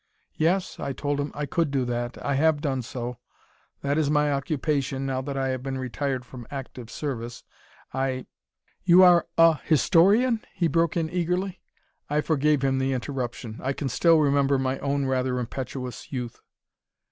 "Yes," I told him. "I could do that. I have done so. That is my occupation, now that I have been retired from active service. I " "You are a historian?" he broke in eagerly. I forgave him the interruption. I can still remember my own rather impetuous youth.